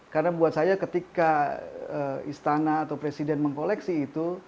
karena buat saya ketika istana atau presiden mengkoleksi itu